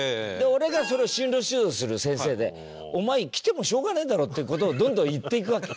俺がそれを進路指導する先生で「お前来てもしょうがねえだろ」っていう事をどんどん言っていくわけ。